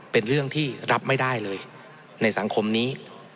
เป็นเรื่องที่รับไม่ได้เลยในสังคมนี้